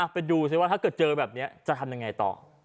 ดูสิว่าถ้าเกิดเจอแบบนี้จะทำยังไงต่อ